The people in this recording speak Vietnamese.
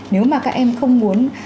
nếu mà các em không muốn